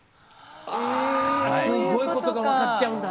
あすっごいことが分かっちゃうんだ！